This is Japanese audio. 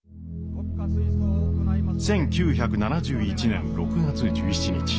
１９７１年６月１７日。